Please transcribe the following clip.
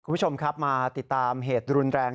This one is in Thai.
คุณผู้ชมครับมาติดตามเหตุรุนแรง